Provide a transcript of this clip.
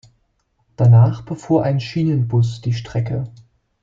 Danach befuhr ein Schienenbus die Strecke.